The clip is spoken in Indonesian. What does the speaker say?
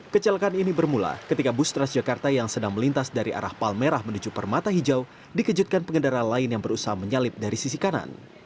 kecelakaan ini bermula ketika bus transjakarta yang sedang melintas dari arah palmerah menuju permata hijau dikejutkan pengendara lain yang berusaha menyalip dari sisi kanan